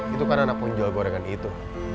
itu karena anak penjual gorengan itu